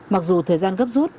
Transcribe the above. mặc dù thời gian gấp rút